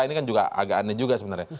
ini kan juga agak aneh juga sebenarnya